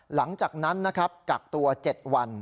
หลังจากนั้นกักตัว๗วัน